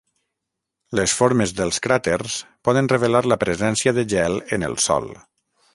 Les formes dels cràters poden revelar la presència de gel en el sòl.